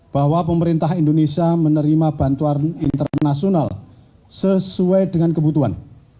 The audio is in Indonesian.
bahwa pemerintah indonesia menerima bantuan internasional sesuai dengan kebutuhan